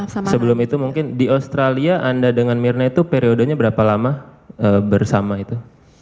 sebelum itu mungkin di australia anda dengan mirna itu periodenya berapa lama bersama itu